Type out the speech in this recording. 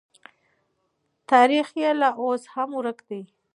تاریخ یې لا اوس هم ورک دی.